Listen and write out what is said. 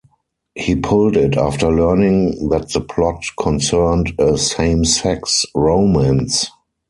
He pulled it after learning that the plot concerned a same-sex romance.